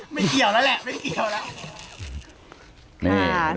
ไม่เกี่ยวแล้วแหละไม่เกี่ยวแล้ว